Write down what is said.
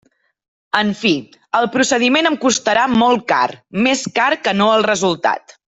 En fi, el procediment em costarà molt car, més car que no el resultat.